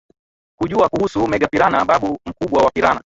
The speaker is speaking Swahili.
kujua kuhusu megapiranha babu mkubwa wa piranha